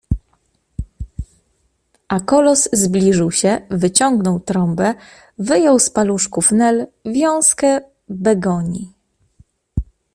A kolos zbliżył się, wyciągnął trąbę, wyjął z paluszków Nel wiązkę begonii.